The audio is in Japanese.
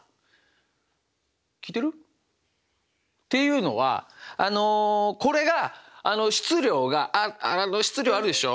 聞いてる？っていうのはあのこれがあの質量があの質量あるでしょ。